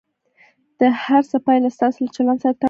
د هر څه پایله ستاسو له چلند سره تړاو لري.